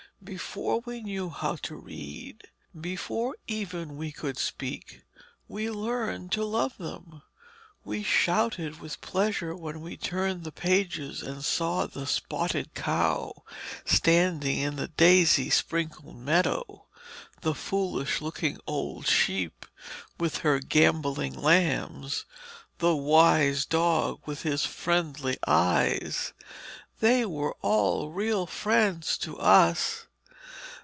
Before we knew how to read, before even we could speak, we had learned to love them. We shouted with pleasure when we turned the pages and saw the spotted cow standing in the daisy sprinkled meadow, the foolish looking old sheep with her gambolling lambs, the wise dog with his friendly eyes. They were all real friends to us.